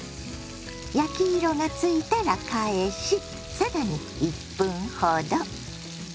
焼き色がついたら返し更に１分ほど。